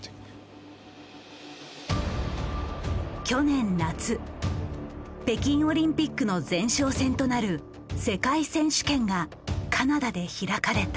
去年夏北京オリンピックの前哨戦となる世界選手権がカナダで開かれた。